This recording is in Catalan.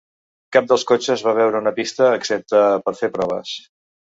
Cap dels cotxes va veure una pista excepte per fer proves.